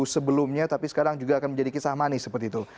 sebelumnya tapi sekarang juga akan menjadi kisah manis seperti itu